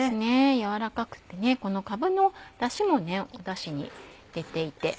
軟らかくてこのかぶのだしもだしに出ていて。